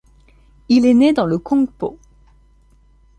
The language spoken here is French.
Il est né dans le Kongpo.